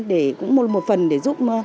để cũng một phần để giúp